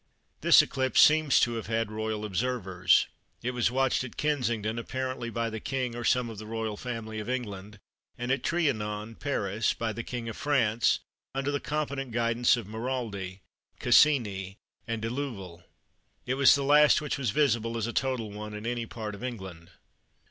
This eclipse seems to have had royal observers. It was watched at Kensington apparently by the King or some of the royal family of England, and at Trianon (Paris) by the King of France, under the competent guidance of Maraldi, Cassini and De Louville. It was the last which was visible as a total one in any part of England.